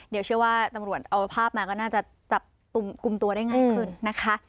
เดี๋ยวเชื่อว่าตำรวจเอาภาพมาก็น่าจะจับกลุ่มตัวได้ง่ายขึ้นนะคะ